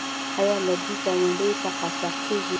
آیا لرګي ګاونډیو ته قاچاق کیږي؟